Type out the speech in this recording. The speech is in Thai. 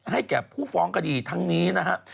แก่ผู้ฟ้องคดีทั้งนี้นะครับ